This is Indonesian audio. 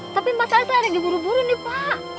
tapi masalahnya saya lagi buru buru nih pak